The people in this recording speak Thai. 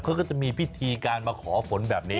เขาก็จะมีพิธีการมาขอฝนแบบนี้